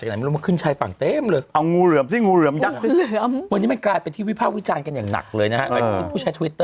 หัวหัวหัวหัวหัวหัวหัวหัวหัวหัวหัวหัวหัวหัวหัว